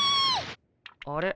あれ？